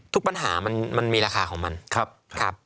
ทุกปัญหามันมีราคาของมันครับ